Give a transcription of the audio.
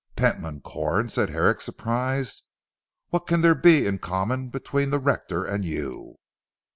"Pentland Corn!" said Herrick surprised. "What can there be in common between the rector and you?"